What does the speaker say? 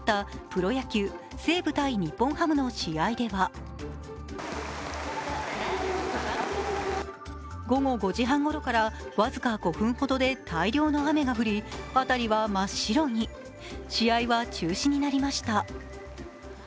プロ野球、西武×日本ハムの試合では、午後５時半ごろから僅か５分ほどで大量の雨が降り、辺りは真っ白に。試合は中止になりました。